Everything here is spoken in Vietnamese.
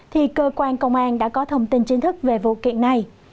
thì cơ quan công an đã có thông tin chính thức về vụ kiện này